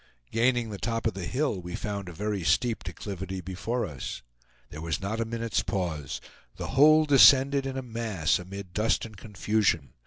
Gaining the top of the hill, we found a very steep declivity before us. There was not a minute's pause. The whole descended in a mass, amid dust and confusion.